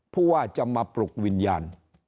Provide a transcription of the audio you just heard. ผู้ว่าจะมาปลุกวิญญาณ